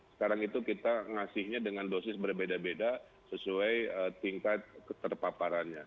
sekarang itu kita ngasihnya dengan dosis berbeda beda sesuai tingkat keterpaparannya